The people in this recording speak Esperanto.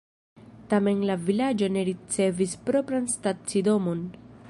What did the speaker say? Tamen la vilaĝo ne ricevis propran stacidomon.